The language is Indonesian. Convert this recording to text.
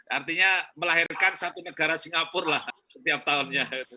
artinya melahirkan satu negara singapura lah setiap tahunnya